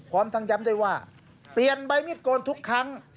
พร้อมทั้งย้ำได้ว่าเปลี่ยนใบมิดโกนทุกครั้ง